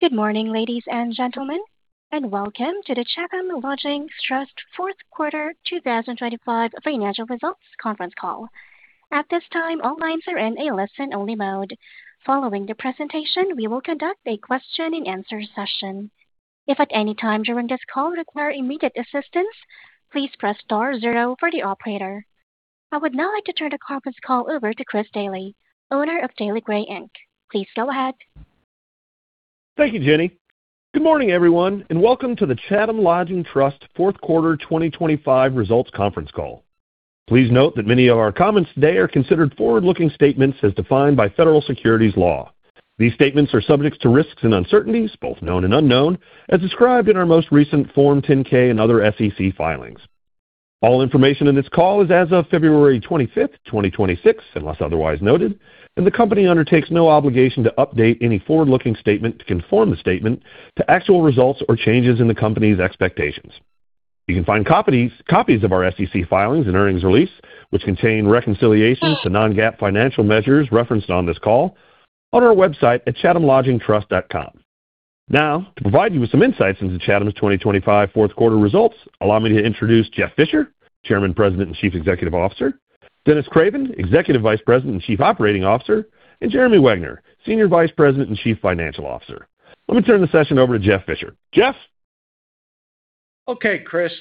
Good morning, ladies and gentlemen, welcome to the Chatham Lodging Trust Fourth Quarter 2025 Financial Results Conference Call. At this time, all lines are in a listen-only mode. Following the presentation, we will conduct a question-and-answer session. If at any time during this call require immediate assistance, please press star zero for the operator. I would now like to turn the conference call over to Chris Daly, owner of Daly Gray, Inc. Please go ahead. Thank you, Jenny. Good morning, everyone, welcome to the Chatham Lodging Trust Fourth Quarter 2025 Results Conference Call. Please note that many of our comments today are considered forward-looking statements as defined by federal securities law. These statements are subject to risks and uncertainties, both known and unknown, as described in our most recent Form 10-K and other SEC filings. All information in this call is as of February 25th, 2026, unless otherwise noted, and the company undertakes no obligation to update any forward-looking statement to conform the statement to actual results or changes in the company's expectations. You can find copies of our SEC filings and earnings release, which contain reconciliations to non-GAAP financial measures referenced on this call, on our website at chathamlodgingtrust.com. Now, to provide you with some insights into Chatham's 2025 fourth quarter results, allow me to introduce Jeff Fisher, Chairman, President, and Chief Executive Officer, Dennis Craven, Executive Vice President and Chief Operating Officer, and Jeremy Wegner, Senior Vice President and Chief Financial Officer. Let me turn the session over to Jeff Fisher. Jeff? Chris,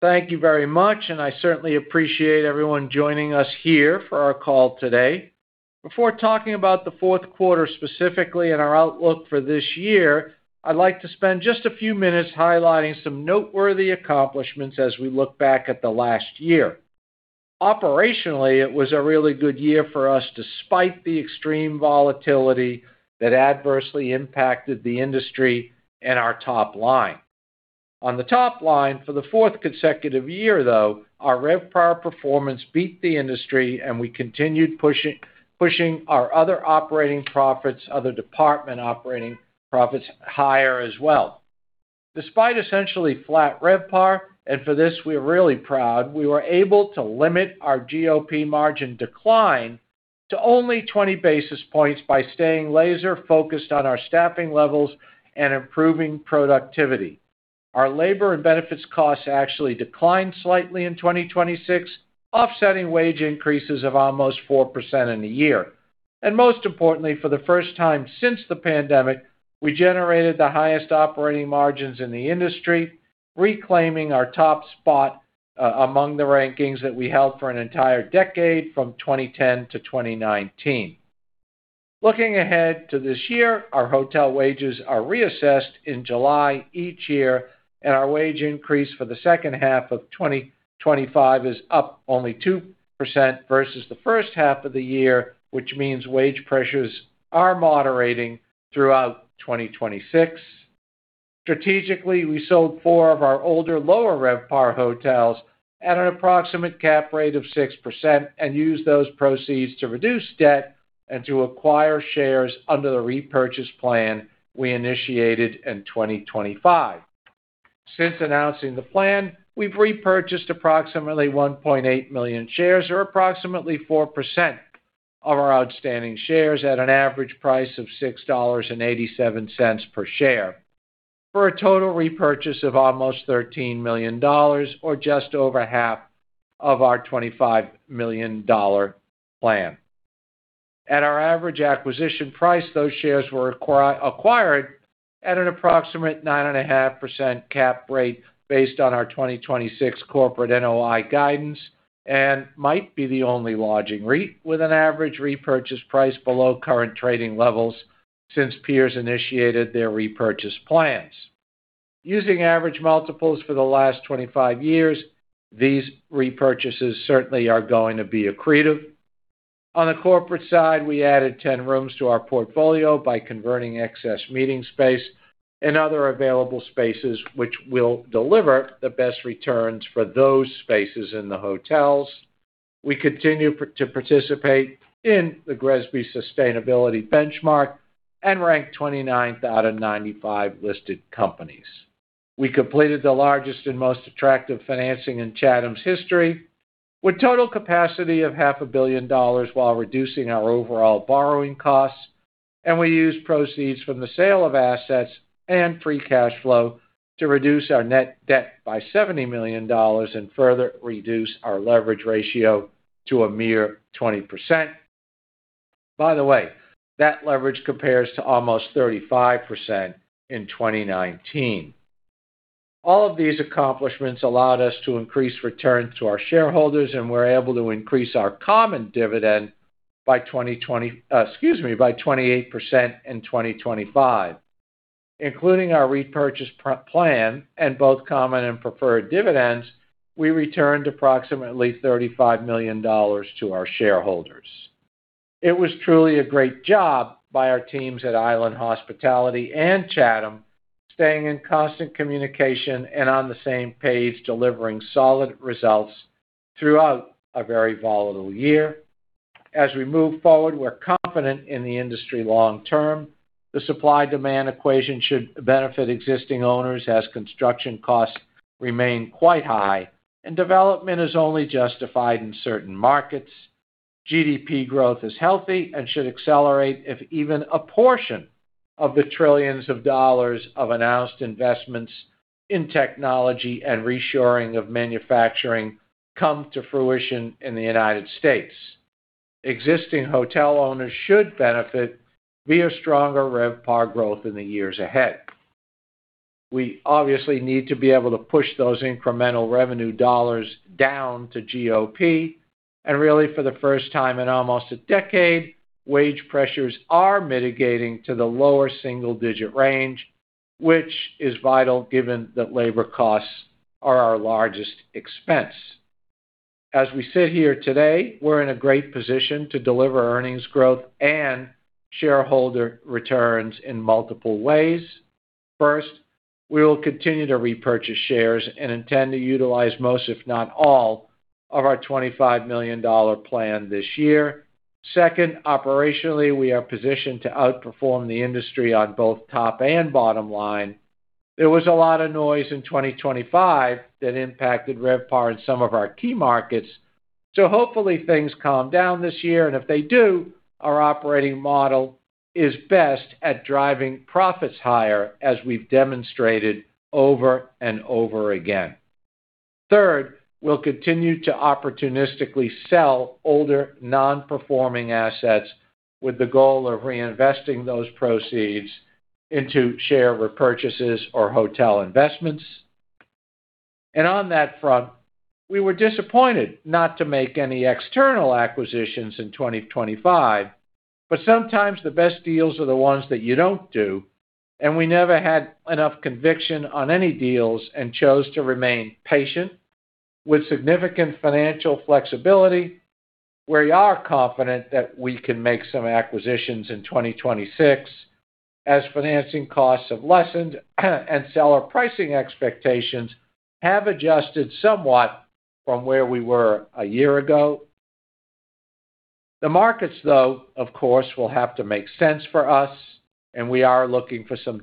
thank you very much, I certainly appreciate everyone joining us here for our call today. Before talking about the fourth quarter, specifically and our outlook for this year, I'd like to spend just a few minutes highlighting some noteworthy accomplishments as we look back at the last year. Operationally, it was a really good year for us, despite the extreme volatility that adversely impacted the industry and our top line. On the top line, for the fourth consecutive year, though, our RevPAR performance beat the industry, and we continued pushing our other operating profits, other department operating profits, higher as well. Despite essentially flat RevPAR, and for this, we're really proud, we were able to limit our GOP margin decline to only 20 basis points by staying laser-focused on our staffing levels and improving productivity. Our labor and benefits costs actually declined slightly in 2026, offsetting wage increases of almost 4% in a year. Most importantly, for the first time since the pandemic, we generated the highest operating margins in the industry, reclaiming our top spot among the rankings that we held for an entire decade, from 2010 to 2019. Looking ahead to this year, our hotel wages are reassessed in July each year, and our wage increase for the second half of 2025 is up only 2% versus the first half of the year, which means wage pressures are moderating throughout 2026. Strategically, we sold four of our older, lower RevPAR hotels at an approximate cap rate of 6% and used those proceeds to reduce debt and to acquire shares under the repurchase plan we initiated in 2025. Since announcing the plan, we've repurchased approximately 1.8 million shares, or approximately 4% of our outstanding shares, at an average price of $6.87 per share, for a total repurchase of almost $13 million or just over half of our $25 million plan. At our average acquisition price, those shares were acquired at an approximate 9.5% cap rate based on our 2026 corporate NOI guidance and might be the only lodging REIT with an average repurchase price below current trading levels since peers initiated their repurchase plans. Using average multiples for the last 25 years, these repurchases certainly are going to be accretive. On the corporate side, we added 10 rooms to our portfolio by converting excess meeting space and other available spaces, which will deliver the best returns for those spaces in the hotels. We continue to participate in the GRESB Sustainability Benchmark and ranked 29th out of 95 listed companies. We completed the largest and most attractive financing in Chatham's history, with total capacity of $500 million while reducing our overall borrowing costs. We used proceeds from the sale of assets and free cash flow to reduce our net debt by $70 million and further reduce our leverage ratio to a mere 20%. By the way, that leverage compares to almost 35% in 2019. All of these accomplishments allowed us to increase returns to our shareholders, we're able to increase our common dividend by 28% in 2025. Including our repurchase plan and both common and preferred dividends, we returned approximately $35 million to our shareholders. It was truly a great job by our teams at Island Hospitality and Chatham, staying in constant communication and on the same page, delivering solid results throughout a very volatile year. As we move forward, we're confident in the industry long term. The supply-demand equation should benefit existing owners as construction costs remain quite high and development is only justified in certain markets. GDP growth is healthy and should accelerate if even a portion of the trillions of dollars of announced investments in technology and reshoring of manufacturing come to fruition in the United States. Existing hotel owners should benefit via stronger RevPAR growth in the years ahead. We obviously need to be able to push those incremental revenue dollars down to GOP. Really, for the first time in almost a decade, wage pressures are mitigating to the lower single-digit range, which is vital given that labor costs are our largest expense. As we sit here today, we're in a great position to deliver earnings growth and shareholder returns in multiple ways. First, we will continue to repurchase shares and intend to utilize most, if not all, of our $25 million plan this year. Second, operationally, we are positioned to outperform the industry on both top and bottom line. There was a lot of noise in 2025 that impacted RevPAR in some of our key markets. Hopefully things calm down this year, if they do, our operating model is best at driving profits higher, as we've demonstrated over and over again. Third, we'll continue to opportunistically sell older, non-performing assets, with the goal of reinvesting those proceeds into share repurchases or hotel investments. On that front, we were disappointed not to make any external acquisitions in 2025, but sometimes the best deals are the ones that you don't do, and we never had enough conviction on any deals and chose to remain patient. With significant financial flexibility, we are confident that we can make some acquisitions in 2026, as financing costs have lessened, and seller pricing expectations have adjusted somewhat from where we were a year ago. The markets, though, of course, will have to make sense for us, and we are looking for some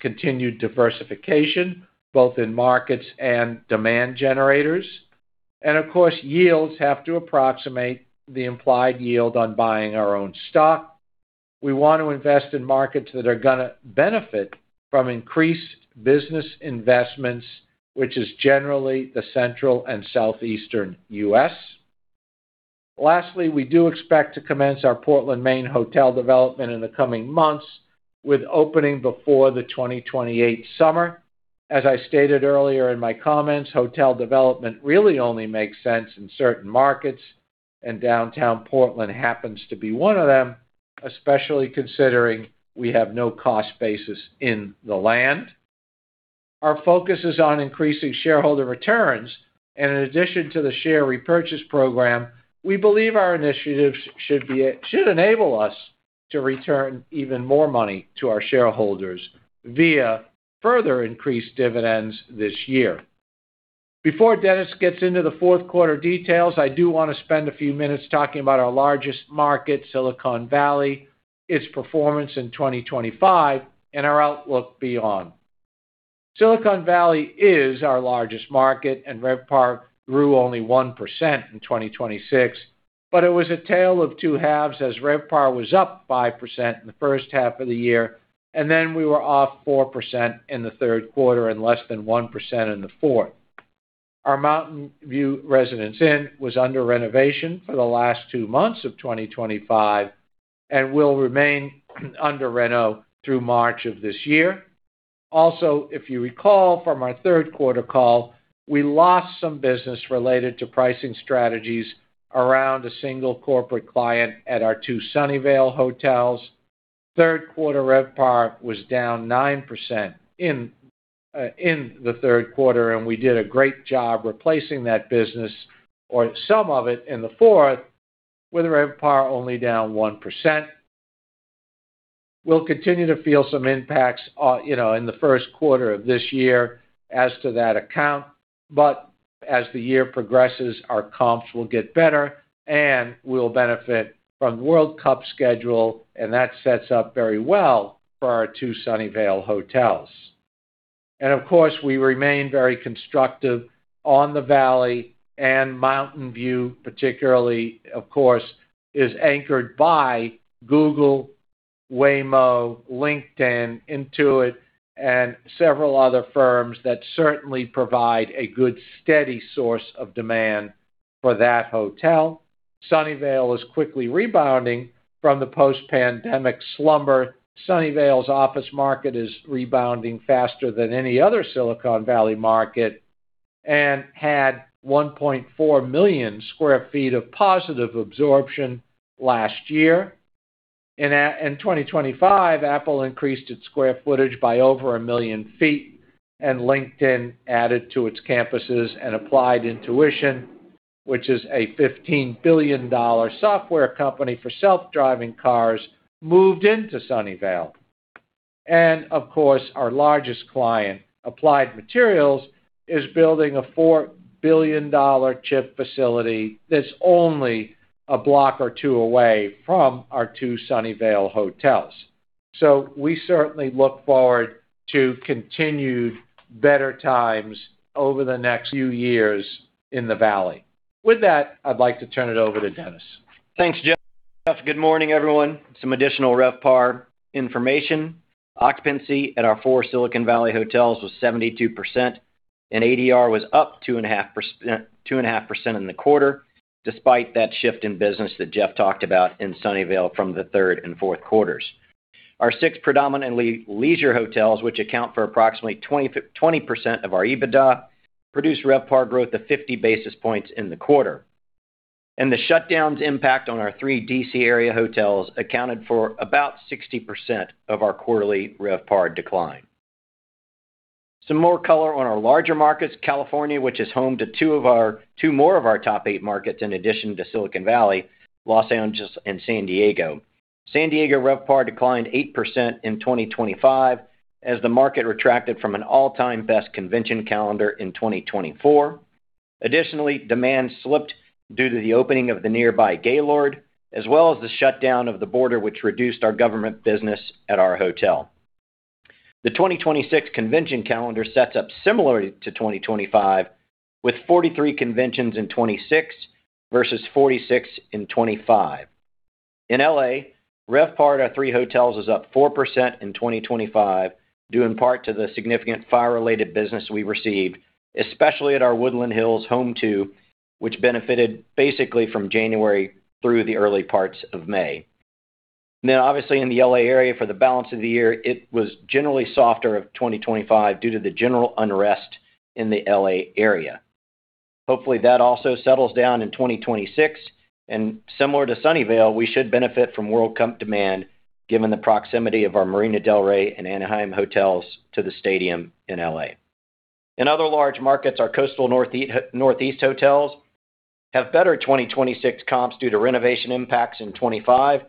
continued diversification, both in markets and demand generators. Of course, yields have to approximate the implied yield on buying our own stock. We want to invest in markets that are gonna benefit from increased business investments, which is generally the Central and Southeastern U.S. Lastly, we do expect to commence our Portland, Maine, Hotel Development in the coming months, with opening before the 2028 summer. As I stated earlier in my comments, Hotel Development really only makes sense in certain markets, and Downtown Portland happens to be one of them, especially considering we have no cost basis in the land. Our focus is on increasing shareholder returns, and in addition to the share repurchase program, we believe our initiatives should enable us to return even more money to our shareholders via further increased dividends this year. Before Dennis gets into the fourth quarter details, I do want to spend a few minutes talking about our largest market, Silicon Valley, its performance in 2025, and our outlook beyond. Silicon Valley is our largest market. RevPAR grew only 1% in 2026. It was a tale of two halves, as RevPAR was up 5% in the first half of the year. We were off 4% in the third quarter and less than 1% in the fourth. Our Mountain View, Residence Inn was under renovation for the last two months of 2025 and will remain under reno through March of this year. If you recall from our third quarter call, we lost some business related to pricing strategies around a single corporate client at our two Sunnyvale hotels. Third quarter RevPAR was down 9% in the third quarter. We did a great job replacing that business, or some of it, in the fourth, with RevPAR only down 1%. We'll continue to feel some impacts, you know, in the first quarter of this year as to that account, but as the year progresses, our comps will get better, and we'll benefit from World Cup schedule, and that sets up very well for our two Sunnyvale hotels. Of course, we remain very constructive on the Valley and Mountain View, particularly, of course, is anchored by Google, Waymo, LinkedIn, Intuit, and several other firms that certainly provide a good, steady source of demand for that hotel. Sunnyvale is quickly rebounding from the post-pandemic slumber. Sunnyvale's office market is rebounding faster than any other Silicon Valley market and had 1.4 million sq ft of positive absorption last year. In 2025, Apple increased its square footage by over a million feet. LinkedIn added to its campuses, and Applied Intuition, which is a $15 billion software company for self-driving cars, moved into Sunnyvale. Of course, our largest client, Applied Materials, is building a $4 billion chip facility that's only a block or two away from our two Sunnyvale hotels. We certainly look forward to continued better times over the next few years in the valley. With that, I'd like to turn it over to Dennis. Thanks, Jeff. Good morning, everyone. Some additional RevPAR information. Occupancy at our four Silicon Valley hotels was 72%, and ADR was up 2.5% in the quarter, despite that shift in business that Jeff talked about in Sunnyvale from the third and fourth quarters. Our six predominantly leisure hotels, which account for approximately 20% of our EBITDA, produced RevPAR growth of 50 basis points in the quarter, and the shutdowns impact on our three D.C. area hotels accounted for about 60% of our quarterly RevPAR decline. Some more color on our larger markets, California, which is home to two more of our top eight markets, in addition to Silicon Valley, Los Angeles, and San Diego. San Diego RevPAR declined 8% in 2025 as the market retracted from an all-time best convention calendar in 2024. Additionally, demand slipped due to the opening of the nearby Gaylord, as well as the shutdown of the border, which reduced our government business at our hotel. The 2026 convention calendar sets up similarly to 2025, with 43 conventions in 2026, versus 46 in 2025. In L.A., RevPAR at our three hotels is up 4% in 2025, due in part to the significant fire-related business we received, especially at our Woodland Hills Home2, which benefited basically from January through the early parts of May. Obviously, in the L.A. area, for the balance of the year, it was generally softer of 2025 due to the general unrest in the L.A. area. Hopefully, that also settles down in 2026. Similar to Sunnyvale, we should benefit from World Cup demand, given the proximity of our Marina del Rey and Anaheim hotels to the stadium in L.A. In other large markets, our Coastal Northeast hotels have better 2026 comps due to renovation impacts in 2025.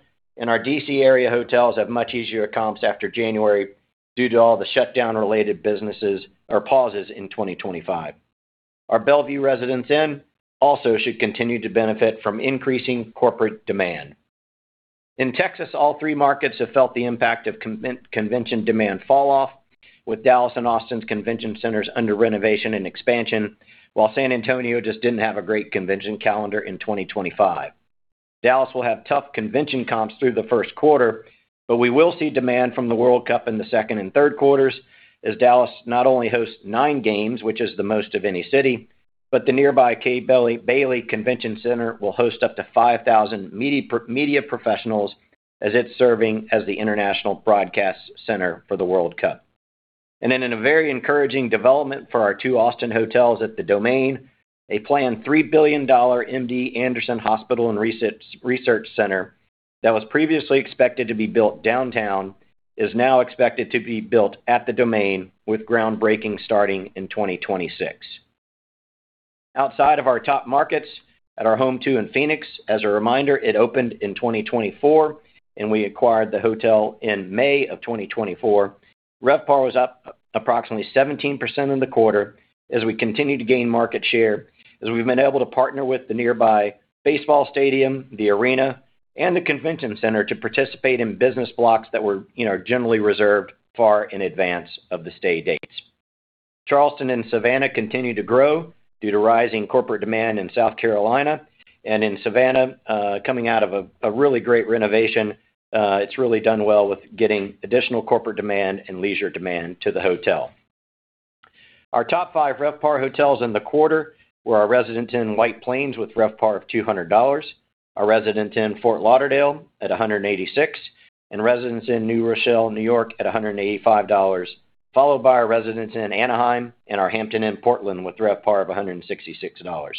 Our D.C. area hotels have much easier comps after January due to all the shutdown-related businesses or pauses in 2025. Our Bellevue Residence Inn also should continue to benefit from increasing corporate demand. In Texas, all three markets have felt the impact of convention demand falloff, with Dallas and Austin's Convention Centers under renovation and expansion, while San Antonio just didn't have a great convention calendar in 2025. Dallas will have tough convention comps through the first quarter. We will see demand from the World Cup in the second and third quarters, as Dallas not only hosts nine games, which is the most of any city, but the nearby Kay Bailey Hutchison Convention Center will host up to 5,000 media professionals as it's serving as the International Broadcast Centre for the World Cup. In a very encouraging development for our two Austin hotels at The Domain, a planned $3 billion MD Anderson Cancer Center that was previously expected to be built Downtown, is now expected to be built at The Domain, with groundbreaking starting in 2026. Outside of our top markets, at our Home2 in Phoenix, as a reminder, it opened in 2024, and we acquired the hotel in May of 2024. RevPAR was up approximately 17% in the quarter as we continued to gain market share, as we've been able to partner with the nearby baseball stadium, the arena, and the Convention Center to participate in business blocks that were, you know, generally reserved far in advance of the stay dates. Charleston and Savannah continue to grow due to rising corporate demand in South Carolina, and in Savannah, coming out of a really great renovation, it's really done well with getting additional corporate demand and leisure demand to the hotel. Our top five RevPAR hotels in the quarter were our Residence Inn in White Plains, with RevPAR of $200, our Residence Inn in Fort Lauderdale at $186, and Residence Inn, New Rochelle, New York, at $185, followed by our Residence Inn in Anaheim and our Hampton Inn, Portland, with RevPAR of $166.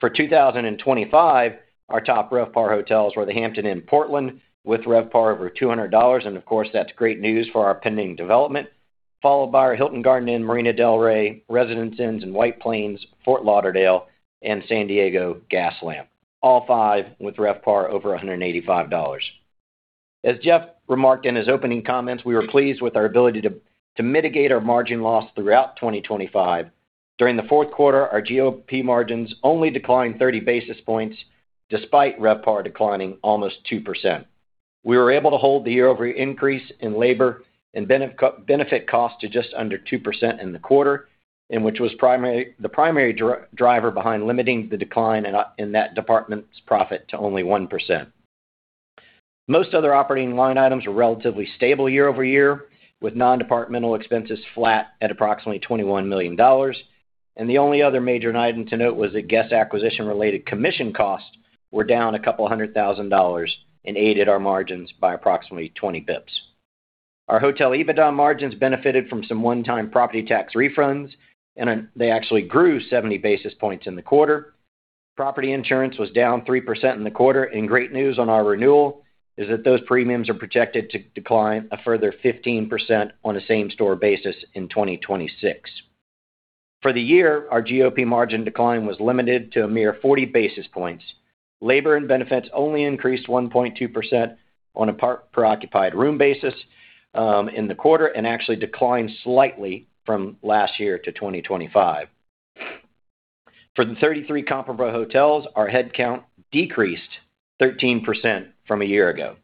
For 2025, our top RevPAR hotels were the Hampton Inn, Portland, with RevPAR over $200, and of course, that's great news for our pending development, followed by our Hilton Garden Inn, Marina del Rey, Residence Inns in White Plains, Fort Lauderdale, and San Diego Gaslamp. All five with RevPAR over $185. As Jeff remarked in his opening comments, we were pleased with our ability to mitigate our margin loss throughout 2025. During the fourth quarter, our GOP margins only declined 30 basis points, despite RevPAR declining almost 2%. We were able to hold the year-over-year increase in labor and benefit costs to just under 2% in the quarter, and which was the primary driver behind limiting the decline in that department's profit to only 1%. Most other operating line items were relatively stable year-over-year, with non-departmental expenses flat at approximately $21 million, and the only other major item to note was that guest acquisition-related commission costs were down $200,000 and aided our margins by approximately 20 basis points. Our hotel EBITDA margins benefited from some one-time property tax refunds, and they actually grew 70 basis points in the quarter. Property insurance was down 3% in the quarter. Great news on our renewal is that those premiums are projected to decline a further 15% on a same-store basis in 2026. For the year, our GOP margin decline was limited to a mere 40 basis points. Labor and benefits only increased 1.2% on a per occupied room basis in the quarter, actually declined slightly from last year to 2025. For the 33 comparable hotels, our headcount decreased 13% from a year ago.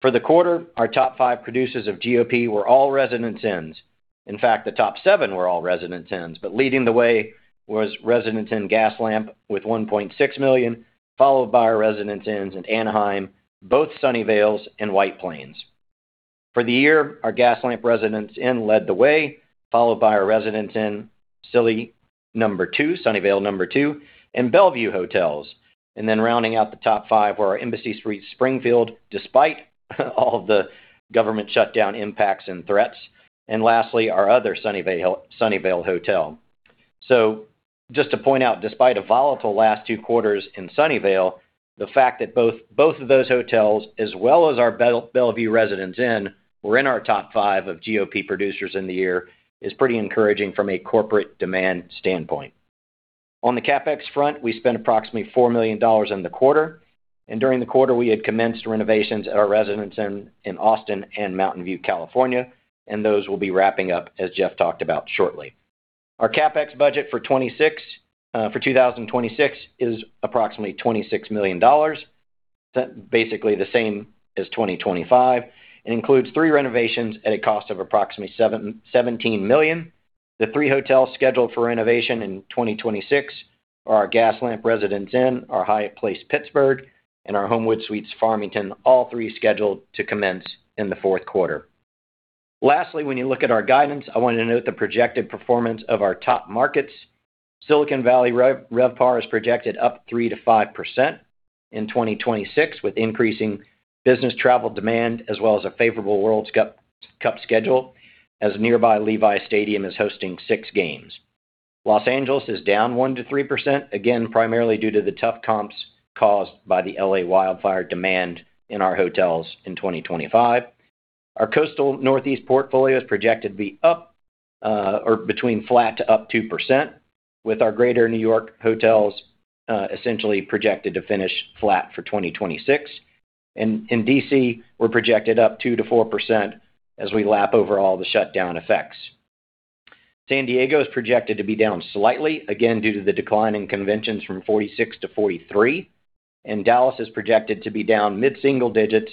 For the quarter, our top five producers of GOP were all Residence Inn's. In fact, the top seven were all Residence Inn's. Leading the way was Residence Inn Gaslamp, with $1.6 million, followed by our Residence Inn's in Anaheim, both Sunnyvales and White Plains. For the year, our Gaslamp Residence Inn led the way, followed by our Residence Inn Sunnyvale Silicon Valley II, and Bellevue Hotels. Rounding out the top five were our Embassy Suites, Springfield, despite all of the government shutdown impacts and threats, and lastly, our other Sunnyvale Hotel. Just to point out, despite a volatile last two quarters in Sunnyvale, the fact that both of those hotels, as well as our Bellevue Residence Inn, were in our top five of GOP producers in the year, is pretty encouraging from a corporate demand standpoint. On the CapEx front, we spent approximately $4 million in the quarter, and during the quarter, we had commenced renovations at our Residence Inn in Austin and Mountain View, California, and those will be wrapping up, as Jeff talked about shortly. Our CapEx budget for 2026 is approximately $26 million. That basically the same as 2025, and includes three renovations at a cost of approximately $17 million. The three hotels scheduled for renovation in 2026 are our Gaslamp Residence Inn, our Hyatt Place, Pittsburgh, and our Homewood Suites, Farmington, all three scheduled to commence in the fourth quarter. When you look at our guidance, I want you to note the projected performance of our top markets. Silicon Valley RevPAR is projected up 3%-5% in 2026, with increasing business travel demand, as well as a favorable World Cup schedule, as nearby Levi's Stadium is hosting six games. Los Angeles is down 1%-3%, again, primarily due to the tough comps caused by the L.A. wildfire demand in our hotels in 2025. Our Coastal Northeast portfolio is projected to be up, or between flat to up 2%, with our Greater New York hotels, essentially projected to finish flat for 2026. In D.C., we're projected up 2%-4% as we lap over all the shutdown effects. San Diego is projected to be down slightly, again, due to the decline in conventions from 46-43, and Dallas is projected to be down mid-single digits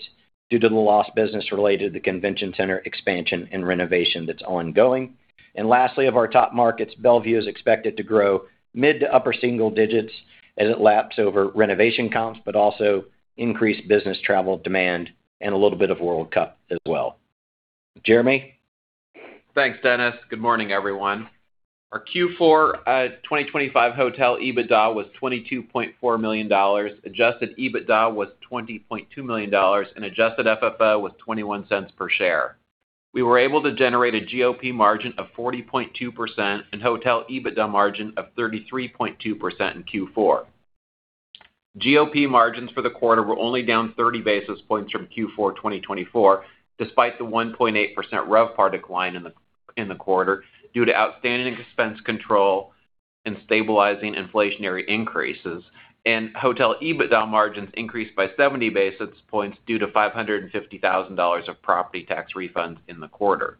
due to the lost business related to the Convention Center expansion and renovation that's ongoing. Lastly, of our top markets, Bellevue is expected to grow mid to upper single digits as it laps over renovation comps, but also increased business travel demand and a little bit of World Cup as well. Jeremy? Thanks, Dennis. Good morning, everyone. Our Q4 2025 hotel EBITDA was $22.4 million. Adjusted EBITDA was $20.2 million. Adjusted FFO was $0.21 per share. We were able to generate a GOP margin of 40.2% and hotel EBITDA margin of 33.2% in Q4. GOP margins for the quarter were only down 30 basis points from Q4 2024, despite the 1.8% RevPAR decline in the quarter, due to outstanding expense control and stabilizing inflationary increases. Hotel EBITDA margins increased by 70 basis points due to $550,000 of property tax refunds in the quarter.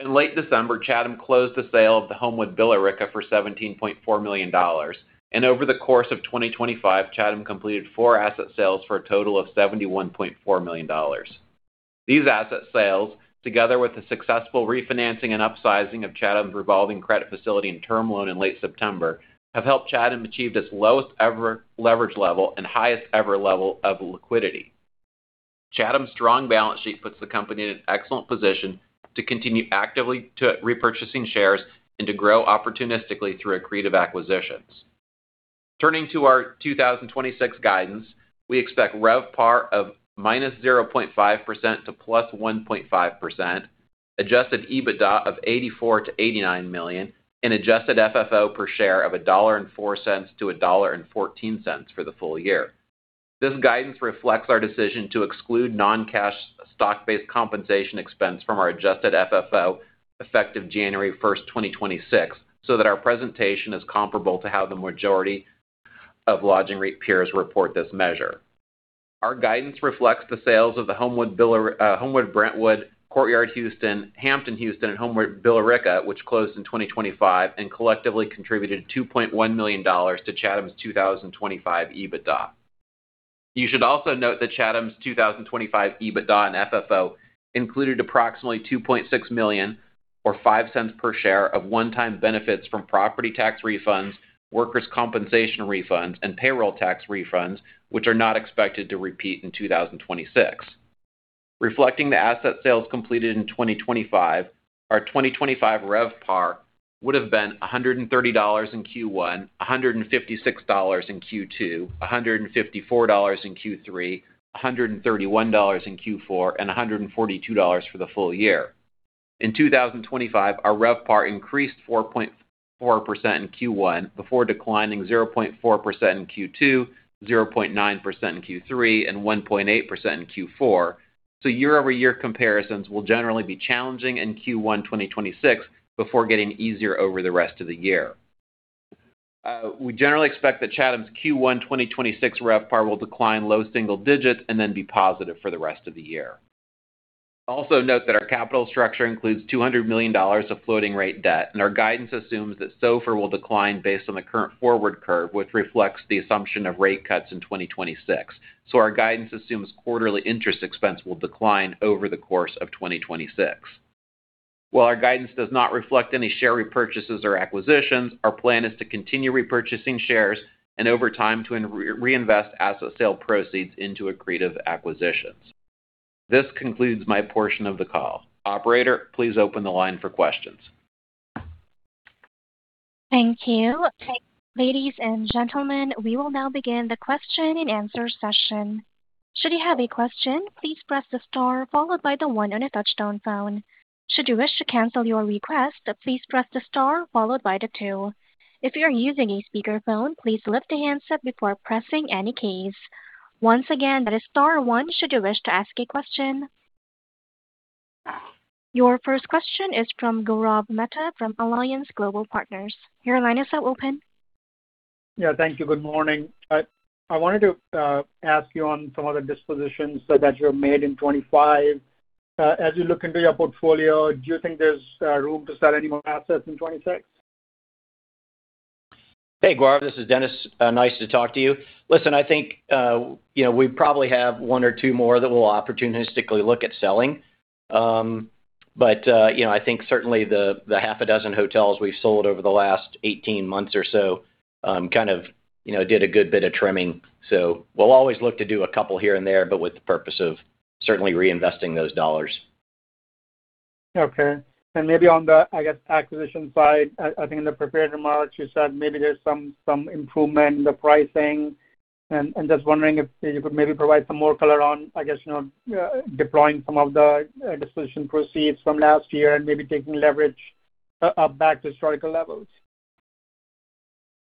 In late December, Chatham closed the sale of the Homewood Billerica for $17.4 million, and over the course of 2025, Chatham completed four asset sales for a total of $71.4 million. These asset sales, together with the successful refinancing and upsizing of Chatham's revolving credit facility and term loan in late September, have helped Chatham achieve its lowest ever leverage level and highest ever level of liquidity. Chatham's strong balance sheet puts the company in an excellent position to continue actively to repurchasing shares and to grow opportunistically through accretive acquisitions. Turning to our 2026 guidance, we expect RevPAR of -0.5% to +1.5%, adjusted EBITDA of $84 million-$89 million, and adjusted FFO per share of $1.04-$1.14 for the full year. This guidance reflects our decision to exclude non-cash stock-based compensation expense from our adjusted FFO, effective January 1st, 2026, so that our presentation is comparable to how the majority of lodging REIT peers report this measure. Our guidance reflects the sales of the Homewood Brentwood, Courtyard Houston, Hampton Houston, and Homewood Billerica, which closed in 2025 and collectively contributed $2.1 million to Chatham's 2025 EBITDA. You should also note that Chatham's 2025 EBITDA and FFO included approximately $2.6 million, or $0.05 per share, of one-time benefits from property tax refunds, workers' compensation refunds, and payroll tax refunds, which are not expected to repeat in 2026. Reflecting the asset sales completed in 2025, our 2025 RevPAR would have been $130 in Q1, $156 in Q2, $154 in Q3, $131 in Q4, and $142 for the full year. In 2025, our RevPAR increased 4.4% in Q1, before declining 0.4% in Q2, 0.9% in Q3, and 1.8% in Q4. year-over-year comparisons will generally be challenging in Q1 2026, before getting easier over the rest of the year. We generally expect that Chatham's Q1 2026 RevPAR will decline low single digits and then be positive for the rest of the year. Also note that our capital structure includes $200 million of floating rate debt. Our guidance assumes that SOFR will decline based on the current forward curve, which reflects the assumption of rate cuts in 2026. Our guidance assumes quarterly interest expense will decline over the course of 2026. While our guidance does not reflect any share repurchases or acquisitions, our plan is to continue repurchasing shares and over time, to reinvest asset sale proceeds into accretive acquisitions. This concludes my portion of the call. Operator, please open the line for questions. Thank you. Ladies and gentlemen, we will now begin the question-and-answer session. Should you have a question, please press the star followed by the one on a touch-tone phone. Should you wish to cancel your request, please press the star followed by the two. If you're using a speakerphone, please lift the handset before pressing any keys. Once again, that is star one should you wish to ask a question. Your first question is from Gaurav Mehta from Alliance Global Partners. Your line is now open. Yeah, thank you. Good morning. I wanted to ask you on some of the dispositions that you have made in 2025. As you look into your portfolio, do you think there's room to sell any more assets in 2026? Hey, Gaurav, this is Dennis. Nice to talk to you. Listen, I think, you know, we probably have one or two more that we'll opportunistically look at selling. You know, I think certainly the half a dozen hotels we've sold over the last 18 months or so, kind of, you know, did a good bit of trimming. We'll always look to do a couple here and there, but with the purpose of certainly reinvesting those dollars. Okay. Maybe on the, I guess, acquisition side, I think in the prepared remarks, you said maybe there's some improvement in the pricing. Just wondering if you could maybe provide some more color on, I guess, you know, deploying some of the disposition proceeds from last year and maybe taking leverage back to historical levels?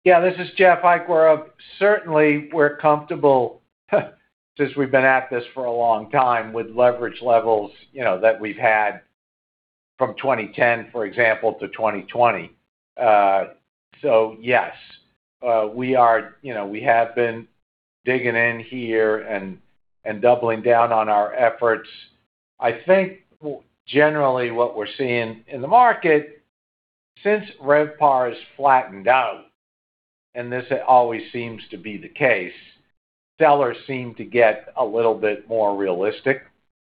Yeah, this is Jeff. Hi, Gaurav. Certainly, we're comfortable, since we've been at this for a long time, with leverage levels, you know, that we've had from 2010, for example, to 2020. Yes, you know, we have been digging in here and doubling down on our efforts. I think, generally, what we're seeing in the market, since RevPAR is flattened out, and this always seems to be the case, sellers seem to get a little bit more realistic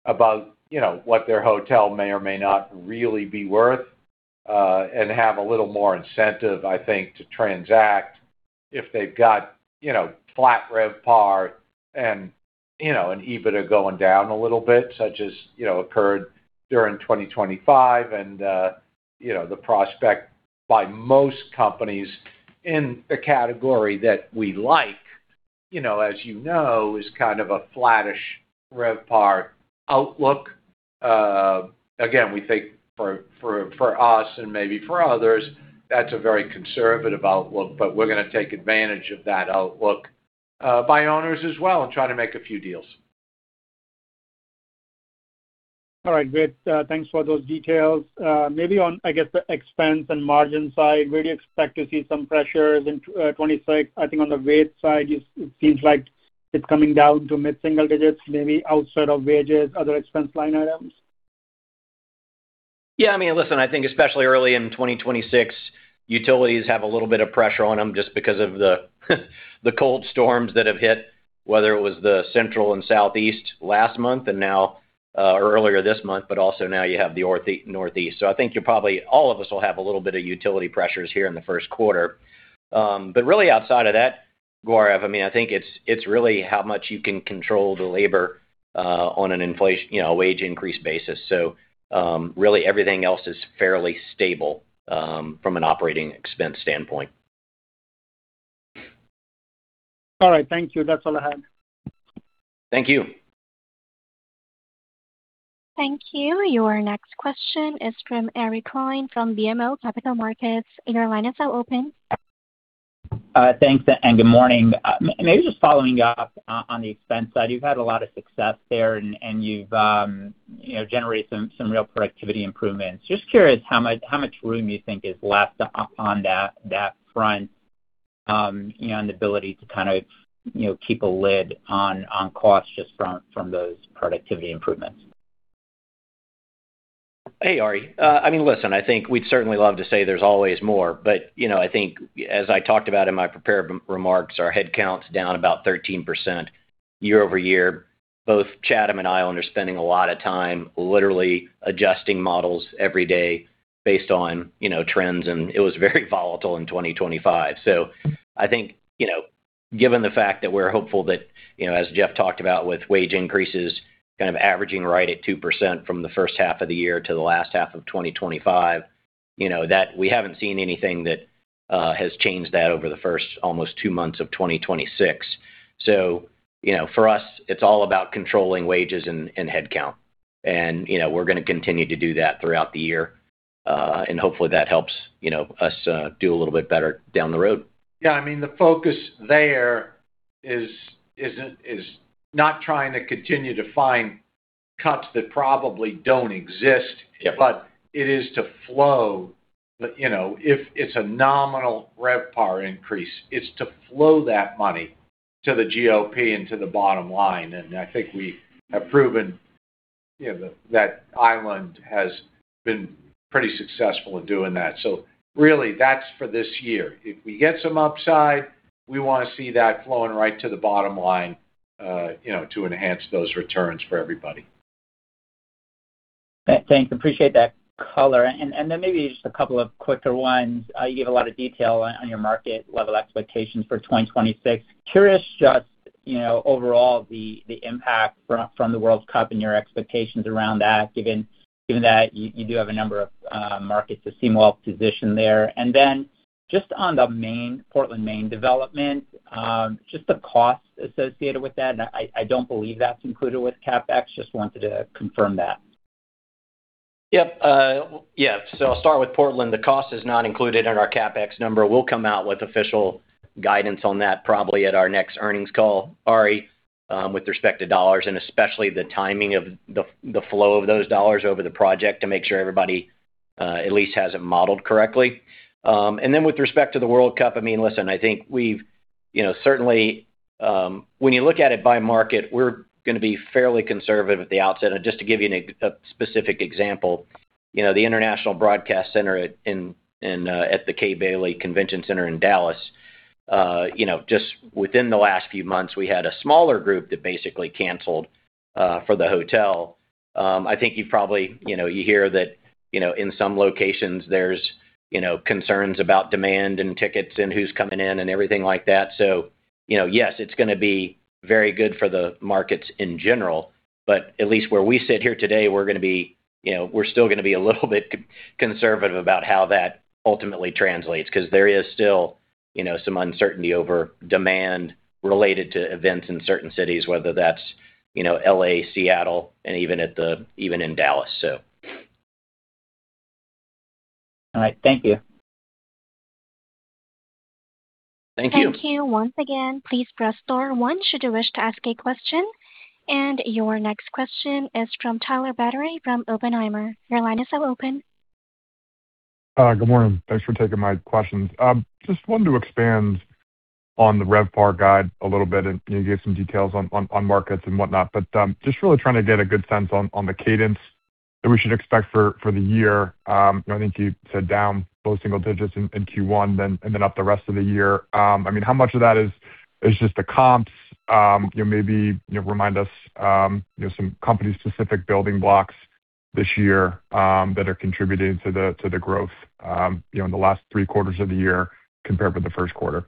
about, you know, what their hotel may or may not really be worth, and have a little more incentive, I think, to transact if they've got, you know, flat RevPAR and, you know, an EBITDA going down a little bit, such as, you know, occurred during 2025. You know, the prospect by most companies in the category that we like, you know, as you know, is kind of a flattish RevPAR outlook. Again, we think for, for us and maybe for others, that's a very conservative outlook, but we're going to take advantage of that outlook, by owners as well and try to make a few deals. All right, great. Thanks for those details. Maybe on, I guess, the expense and margin side, where do you expect to see some pressures in, 2026? I think on the wage side, it seems like it's coming down to mid-single digits, maybe outside of wages, other expense line items. Yeah, I mean, listen, I think especially early in 2026, utilities have a little bit of pressure on them just because of the cold storms that have hit, whether it was the Central and Southeast last month and now earlier this month, but also now you have the Northeast. I think all of us will have a little bit of utility pressures here in the first quarter. Really, outside of that, Gaurav, I mean, I think it's really how much you can control the labor, you know, wage increase basis. Really everything else is fairly stable from an operating expense standpoint. All right. Thank you. That's all I have. Thank you. Thank you. Your next question is from Ari Klein from BMO Capital Markets. Your line is now open. Thanks, good morning. Maybe just following up on the expense side, you've had a lot of success there, and you've, you know, generated some real productivity improvements. Just curious, how much room you think is left on that front, and the ability to kind of, you know, keep a lid on costs just from those productivity improvements? Hey, Ari. I mean, listen, I think we'd certainly love to say there's always more. You know, I think as I talked about in my prepared remarks, our headcount is down about 13% year-over-year. Both Chatham and I are spending a lot of time, literally adjusting models every day based on, you know, trends. It was very volatile in 2025. I think, you know, given the fact that we're hopeful that, you know, as Jeff talked about, with wage increases kind of averaging right at 2% from the first half of the year to the last half of 2025, you know, that we haven't seen anything that has changed that over the first almost two months of 2026. You know, for us, it's all about controlling wages and headcount and you know, we're going to continue to do that throughout the year, and hopefully, that helps, you know, us, do a little bit better down the road. Yeah, I mean, the focus there is not trying to continue to find cuts that probably don't exist. Yeah. It is to flow. You know, if it's a nominal RevPAR increase, it's to flow that to the GOP and to the bottom line, and I think we have proven, you know, that Island has been pretty successful in doing that. Really, that's for this year. If we get some upside, we wanna see that flowing right to the bottom line, you know, to enhance those returns for everybody. Thanks. Appreciate that color. Then maybe just a couple of quicker ones. You gave a lot of detail on your market level expectations for 2026. Curious just, you know, overall, the impact from the World Cup and your expectations around that, given that you do have a number of markets that seem well positioned there. Then, just on the Maine, Portland, Maine development, just the cost associated with that. I don't believe that's included with CapEx. Just wanted to confirm that. Yep. Yeah, I'll start with Portland. The cost is not included in our CapEx number. We'll come out with official guidance on that, probably at our next earnings call, Ari, with respect to dollars, and especially the timing of the flow of those dollars over the project, to make sure everybody at least has it modeled correctly. With respect to the World Cup, I mean, listen. You know, certainly, when you look at it by market, we're gonna be fairly conservative at the outset. Just to give you a specific example, you know, the International Broadcast Centre at the Kay Bailey Hutchison Convention Center in Dallas, just within the last few months, we had a smaller group that basically canceled for the hotel. I think you've probably, you know, you hear that, you know, in some locations there's, you know, concerns about demand and tickets and who's coming in and everything like that. You know, yes, it's gonna be very good for the markets in general, but at least where we sit here today, we're gonna be, you know, we're still gonna be a little bit conservative about how that ultimately translates, because there is still, you know, some uncertainty over demand related to events in certain cities, whether that's, you know, L.A., Seattle, and even at the, even in Dallas, so. All right. Thank you. Thank you. Thank you. Once again, please press star one should you wish to ask a question. Your next question is from Tyler Batory from Oppenheimer. Your line is now open. Good morning. Thanks for taking my questions. Just wanted to expand on the RevPAR guide a little bit, and you gave some details on markets and whatnot. Just really trying to get a good sense on the cadence that we should expect for the year. I think you said down low single digits in Q1, then up the rest of the year. I mean, how much of that is just the comps? You know, maybe, you know, remind us, you know, some company-specific building blocks this year that are contributing to the growth, you know, in the last three quarters of the year compared with the first quarter.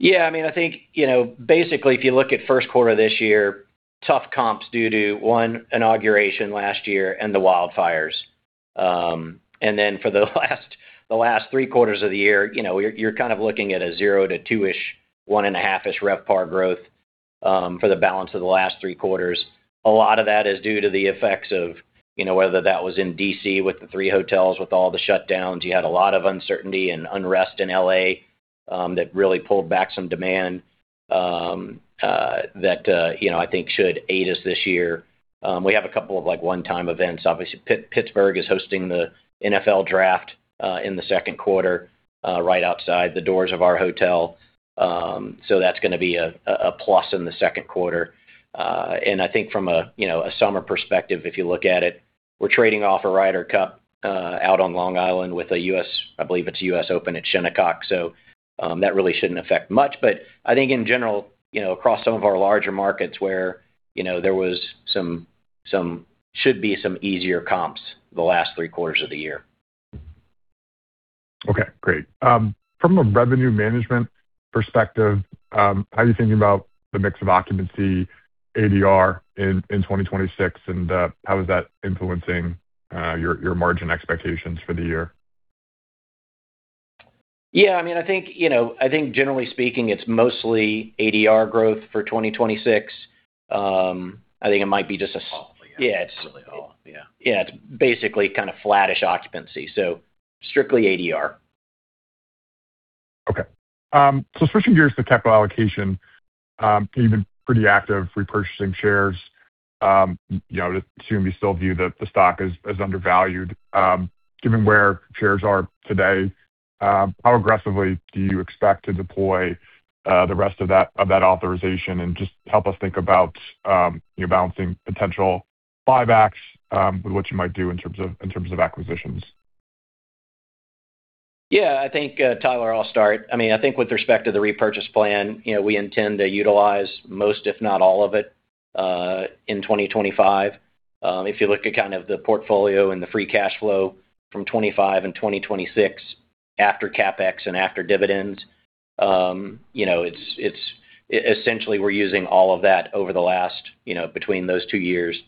If you look at first quarter this year, tough comps due to one, inauguration last year and the wildfires. For the last three quarters of the year, you're kind of looking at a 0 to 2-ish, 1.5-ish RevPAR growth for the balance of the last three quarters. A lot of that is due to the effects of whether that was in D.C. with the three hotels, with all the shutdowns. You had a lot of uncertainty and unrest in L.A. that really pulled back some demand that I think should aid us this year. We have a couple of one-time events. Obviously, Pittsburgh is hosting the NFL Draft in the second quarter right outside the doors of our hotel. That's gonna be a plus in the second quarter. I think from a, you know, a summer perspective, if you look at it, we're trading off a Ryder Cup out on Long Island with a U.S. Open at Shinnecock, that really shouldn't affect much. I think in general, you know, across some of our larger markets where, you know, there was some should be some easier comps the last three quarters of the year. Okay, great. From a revenue management perspective, how are you thinking about the mix of occupancy ADR in 2026, and how is that influencing your margin expectations for the year? Yeah, I mean, I think, you know, I think generally speaking, it's mostly ADR growth for 2026. I think it might be. All, yeah. Yeah. It's really all, yeah. Yeah, it's basically kind of flattish occupancy, so strictly ADR. Switching gears to capital allocation, you've been pretty active repurchasing shares. You know, I assume you still view the stock as undervalued. Given where shares are today, how aggressively do you expect to deploy the rest of that authorization? Just help us think about, you know, balancing potential buybacks, with what you might do in terms of acquisitions. Yeah, I think, Tyler, I'll start. I mean, I think with respect to the repurchase plan, you know, we intend to utilize most, if not all of it, in 2025. If you look at kind of the portfolio and the free cash flow from 2025 and 2026, after CapEx and after dividends, you know, it's essentially, we're using all of that over the last, you know, between those two years,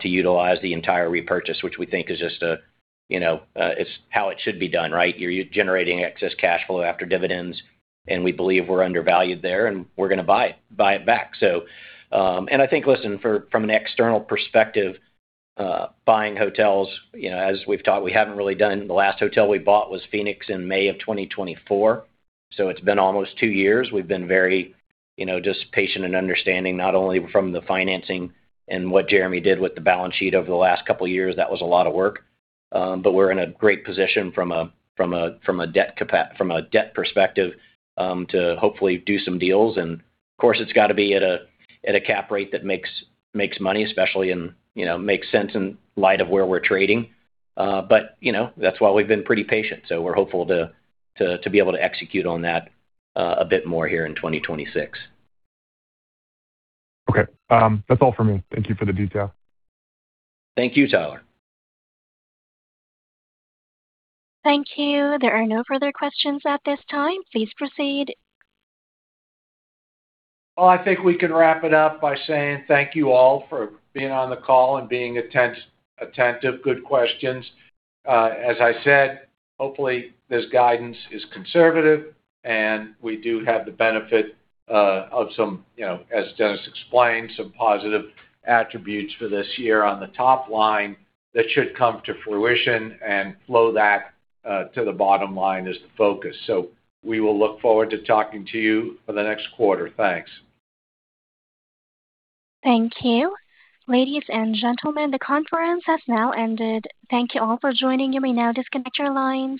to utilize the entire repurchase, which we think is just a, you know, it's how it should be done, right? You're generating excess cash flow after dividends, and we believe we're undervalued there, and we're gonna buy it, buy it back. I think, listen, from an external perspective, buying hotels, you know, as we've talked, we haven't really done, the last hotel we bought was Phoenix in May of 2024, so it's been almost two years. We've been very, you know, just patient and understanding, not only from the financing and what Jeremy did with the balance sheet over the last couple of years, that was a lot of work. We're in a great position from a debt perspective, to hopefully do some deals. Of course, it's got to be at a cap rate that makes money, especially in, you know, makes sense in light of where we're trading. You know, that's why we've been pretty patient, so we're hopeful to be able to execute on that a bit more here in 2026. Okay. That's all for me. Thank you for the detail. Thank you, Tyler. Thank you. There are no further questions at this time. Please proceed. Well, I think we can wrap it up by saying thank you all for being on the call and being attentive. Good questions. As I said, hopefully, this guidance is conservative, and we do have the benefit, you know, as Dennis explained, some positive attributes for this year on the top line that should come to fruition and flow that to the bottom line is the focus. We will look forward to talking to you for the next quarter. Thanks. Thank you. Ladies and gentlemen, the conference has now ended. Thank you all for joining. You may now disconnect your lines.